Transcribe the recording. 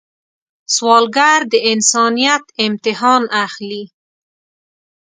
سوالګر د انسانیت امتحان اخلي